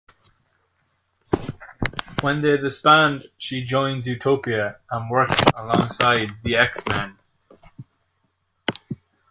When they disband she joins Utopia and works alongside the X-Men.